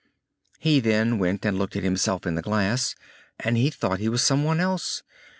He then went and looked at himself in the glass, and he thought he was some one else.